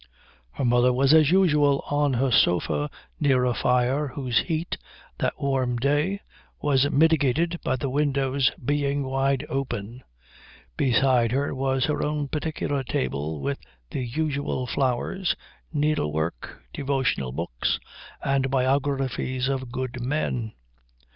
Her mother was as usual on her sofa near a fire whose heat, that warm day, was mitigated by the windows being wide open. Beside her was her own particular table with the usual flowers, needlework, devotional books, and biographies of good men.